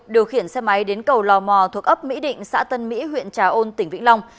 điều khiển xe máy đến cầu lò mò thuộc ấp mỹ định xã tân mỹ huyện trà ôn tỉnh vĩnh long